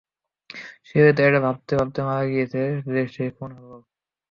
সে হয়তো এটা ভাবতে ভাবতে মারা গিয়েছে যে সে কেন খুন হলো।